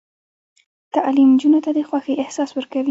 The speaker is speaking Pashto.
تعلیم نجونو ته د خوښۍ احساس ورکوي.